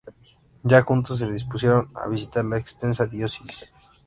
Ya juntos se dispusieron a visitar la extensa diócesis.